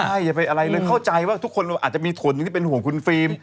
ใช่อย่าไปอะไรเลยเข้าใจว่าทุกคนอาจจะมีผลที่เป็นห่วงคุณฟิล์ม